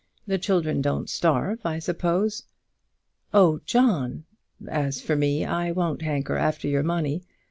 The children don't starve, I suppose." "Oh, John!" "As for me, I won't hanker after your money.